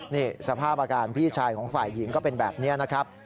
นี่สภาพอาการพี่ชายของฝ่ายหญิงก็เป็นแบบนี้นะครับ